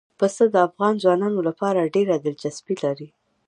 پسه د افغان ځوانانو لپاره ډېره دلچسپي لري.